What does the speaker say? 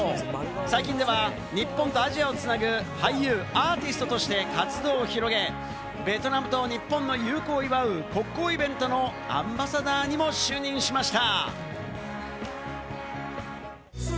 最近では日本とアジアをつなぐ俳優、アーティストとして活動を広げ、ベトナムと日本の友好を祝う、国交イベントのアンバサダーにも就任しました。